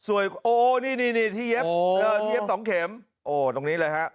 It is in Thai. โอ้โหนี่ที่เย็บ๒เข็มโอ้โหตรงนี้เลยฮะ